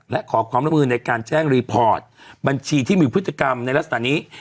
และขอความร่วมมือในการแจ้งรีพอร์ตบัญชีที่มีพฤติกรรมในลักษณะนี้